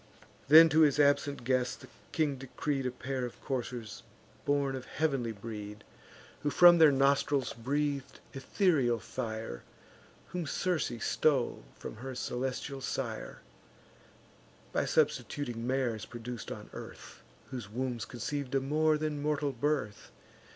Then to his absent guest the king decreed A pair of coursers born of heav'nly breed, Who from their nostrils breath'd ethereal fire; Whom Circe stole from her celestial sire, By substituting mares produc'd on earth, Whose wombs conceiv'd a more than mortal birth.